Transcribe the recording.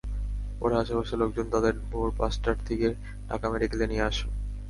পরে আশপাশের লোকজন তাঁদের ভোর পাঁচটার দিকে ঢাকা মেডিকেলে নিয়ে আসেন।